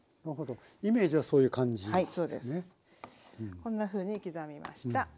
こんなふうに刻みました。